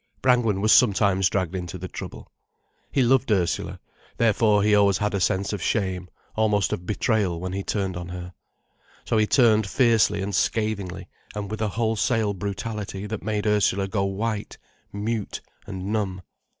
Brangwen was sometimes dragged into the trouble. He loved Ursula, therefore he always had a sense of shame, almost of betrayal, when he turned on her. So he turned fiercely and scathingly, and with a wholesale brutality that made Ursula go white, mute, and numb.